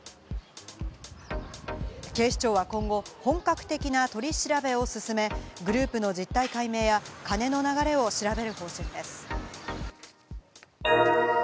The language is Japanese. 警視庁は今後、本格的な取り調べを進め、グループの実態解明や金の流れを調べる方針です。